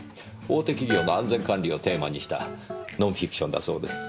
大手企業の安全管理をテーマにしたノンフィクションだそうです。